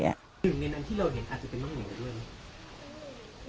หนึ่งในนั้นที่เราเห็นอาจจะเป็นน้องเหลวหรือยัง